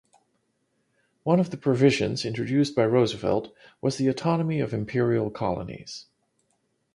One of the provisions, introduced by Roosevelt, was the autonomy of imperial colonies.